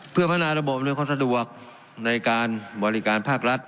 เพื่อพัฒนาระบบอำนวยความสะดวกในการบริการภาครัฐ